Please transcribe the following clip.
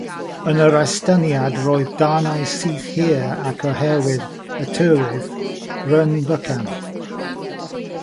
Yn yr estyniad roedd darnau syth hir ac oherwydd y tirwedd, bryn bychan.